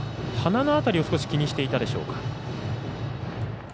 鼻の辺りを少し気にしていたでしょうか。